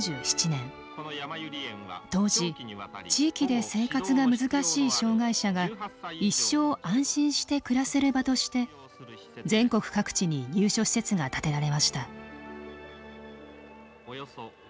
当時「地域で生活が難しい障害者が一生安心して暮らせる場」として全国各地に入所施設が建てられました。